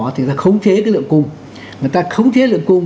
thì khống chế lượng cung